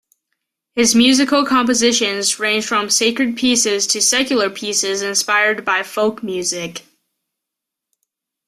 His musical compositions ranged from sacred pieces to secular pieces inspired by folk music.